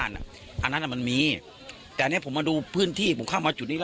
นี่ค่ะ